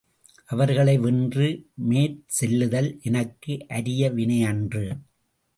அவர்களை வென்று மெற்செல்லுதல் எனக்கு அரிய வினையன்று.